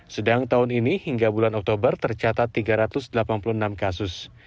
sedang tahun ini hingga bulan oktober tercatat tiga ratus delapan puluh enam kasus